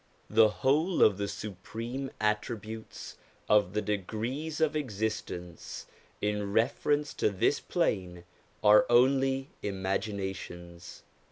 The whole of the supreme attributes of the degrees of existence, in reference to this plane, are only imaginations.